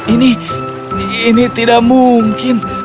ini ini tidak mungkin